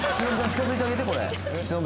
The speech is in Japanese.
近づいてあげて。